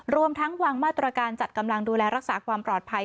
รวมทั้งวางมาตรการจัดกำลังดูแลรักษาความปลอดภัย